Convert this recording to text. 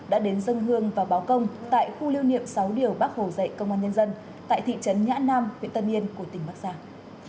đã đến dân hương và báo công tại khu lưu niệm sáu điều bác hồ dạy công an nhân dân tại thị trấn nhã nam huyện tân yên của tỉnh bắc giang